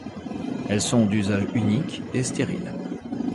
Elles sont d'usage unique et stérile.